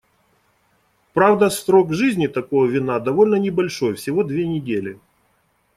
Правда, срок жизни такого вина довольно небольшой — всего две недели.